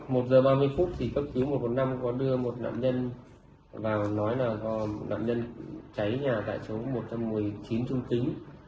một giờ ba mươi phút thì cấp cứu một trăm bốn mươi năm có đưa một nạn nhân vào nói là nạn nhân cháy nhà tại chỗ một trăm một mươi chín trung kính